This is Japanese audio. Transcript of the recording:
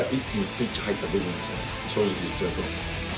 正直言っちゃうと。